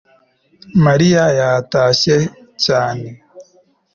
mariya yatashye cyane